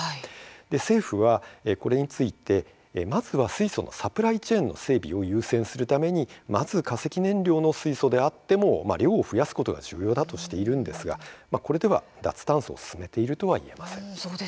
政府はこれについてまずは水素のサプライチェーンの整備を優先するために、まずは化石燃料の水素であっても量を増やすことが重要だとしているんですがこれでは脱炭素を進めているとはいえません。